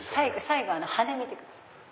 最後はね見てください。